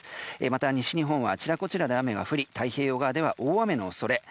また、西日本はあちらこちらで雨が降り、太平洋側では大雨の恐れ。